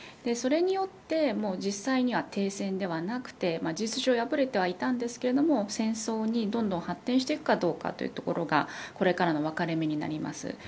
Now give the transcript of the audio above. それによって実際には停戦ではなくて事実上破れてはいたんですけれども戦争にどんどん発展していくかというところがこれからの分かれ目になります。